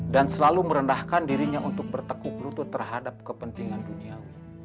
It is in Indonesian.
dan selalu merendahkan dirinya untuk bertekuk lutut terhadap kepentingan duniawi